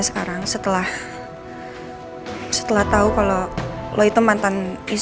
kalau lo itu mantan